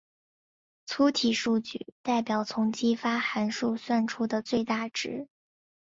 粗体数据代表从激发函数算出的最大值。